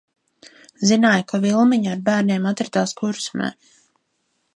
Zināju, ka Vilmiņa ar bērniem atradās Kurzemē.